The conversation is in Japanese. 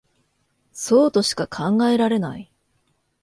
そうとしか考えられない